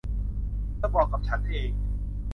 เธอบอกกับฉันเอง